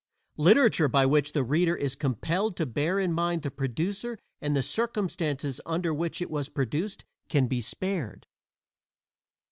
Literature by which the reader is compelled to bear in mind the producer and the circumstances under which it was produced can be spared.